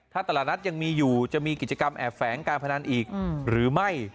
ถ้าตลาดนัดยังมีอยู่จะมีกิจกรรมแอบแฝงการพนันอีกหรือไม่